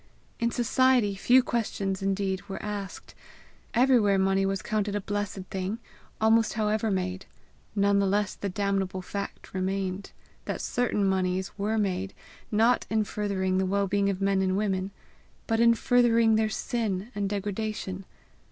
In society few questions indeed were asked; everywhere money was counted a blessed thing, almost however made; none the less the damnable fact remained, that certain moneys were made, not in furthering the well being of men and women, but in furthering their sin and degradation.